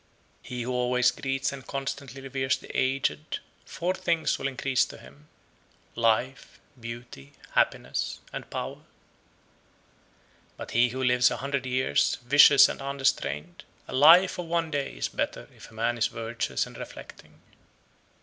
109. He who always greets and constantly reveres the aged, four things will increase to him, viz. life, beauty, happiness, power. 110. But he who lives a hundred years, vicious and unrestrained, a life of one day is better if a man is virtuous and reflecting.